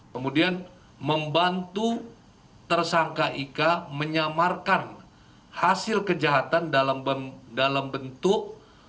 kemudian membantu tersangka ika menyamarkan hasil kejahatan dalam bentuk